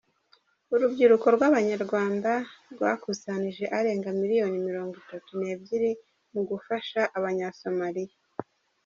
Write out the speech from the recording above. Urubyiruko rw’Abanyarwanda rwakusanije arenga miliyoni Mirongo itatu nebyiri mu gufasha Abanyasomaliya